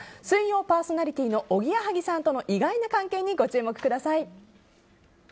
水曜パーソナリティーのおぎやはぎさんとの意外な関係にご注目ください。